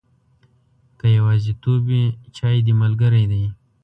که یوازیتوب وي، چای دې ملګری دی.